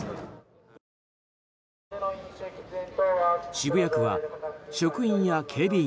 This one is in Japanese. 渋谷区は職員や警備員